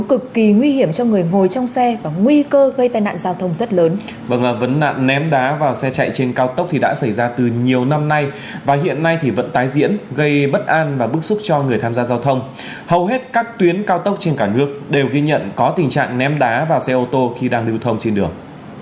các tuyến cao tốc trên cả nước đều ghi nhận có tình trạng ném đá vào xe ô tô khi đang lưu thông trên đường